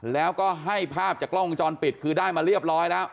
แล้วก็ให้ภาพจากกล้องวงจรปิดคือได้มาเรียบร้อยแล้ว